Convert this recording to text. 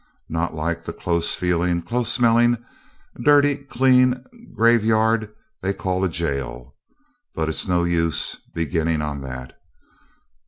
Not like the close feeling, close smelling, dirty clean graveyard they call a gaol. But it's no use beginning on that.